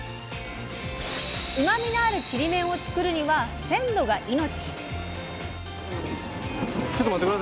うまみのあるちりめんを作るには鮮度が命！